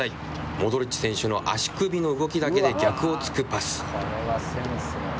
モドリッチ選手の足首の動きだけで逆を突くパス。